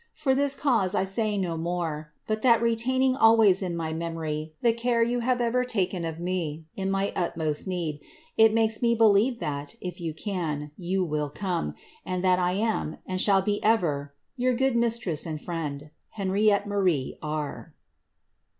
For this cause I say no more ; but that, retaining always in my memory the cmre you hare ever taken of me in my utmost need, it makes me believe that, if you can, you will come, and that I am, and sbmll be ever, Your good mistress and friend, •'HKiiaiiTTS MAais R.